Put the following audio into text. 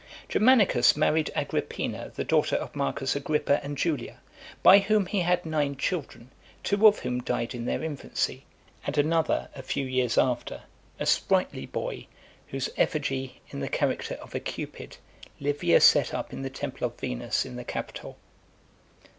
VII. Germanicus married Agrippina, the daughter of Marcus Agrippa and Julia, by whom he had nine children, two of whom died in their infancy, and another a few years after; a sprightly boy, whose effigy, in the character of a Cupid, Livia set up in the temple of Venus in the Capitol.